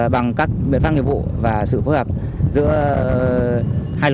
bằng các biện pháp nghiệp vụ và sự phối hợp giữa hai lực